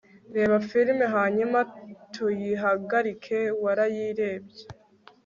reba firime, hanyuma tuyihagarike warayirebye